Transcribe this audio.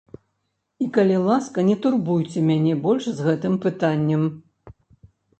І, калі ласка, не турбуйце мяне больш з гэтым пытаннем.